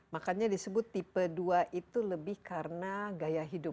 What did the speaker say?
makanya disebut tipe dua itu lebih karena gaya hidup